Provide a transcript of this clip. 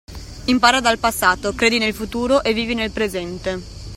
Impara dal passato, credi nel futuro e vivi nel presente.